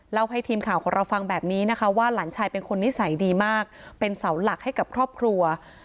ให้ทีมข่าวของเราฟังแบบนี้นะคะว่าหลานชายเป็นคนนิสัยดีมากเป็นเสาหลักให้กับครอบครัว